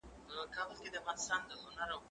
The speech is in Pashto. زه سندري نه اورم؟!